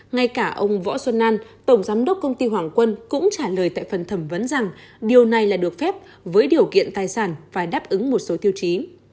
ngay cả ông võ xuân an tổng giám đốc công ty hoàng quân cũng trả lời tại phần thẩm vấn rằng điều này là được phép với điều kiện tài sản phải đáp ứng một số tiêu chí